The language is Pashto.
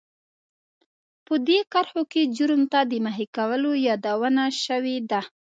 په دې کرښو کې جرم ته د مخې کولو يادونه شوې ده.